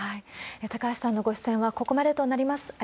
高橋さんのご出演はここまでとなります。